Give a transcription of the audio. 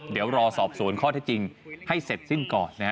เดี๋ยวรอสอบสวนข้อที่จริงให้เสร็จสิ้นก่อน